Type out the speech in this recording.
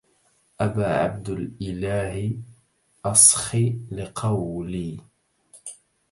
أبا عبد الاله أصخ لقولي